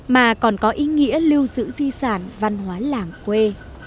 mà còn có ý nghĩa lưu giữ di sản văn hóa làng quê